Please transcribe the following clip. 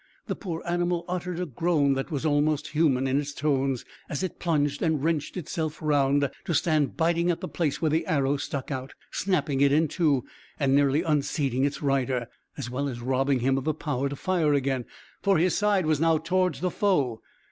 The poor animal uttered a groan that was almost human in its tones, as it plunged and wrenched itself round, to stand biting at the place where the arrow stuck out, snapping it in two, and nearly unseating its rider, as well as robbing him of the power to fire again, for his side was now towards the foe.